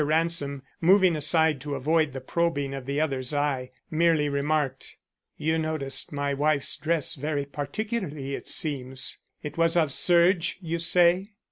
Ransom, moving aside to avoid the probing of the other's eye, merely remarked: "You noticed my wife's dress very particularly it seems. It was of serge, you say."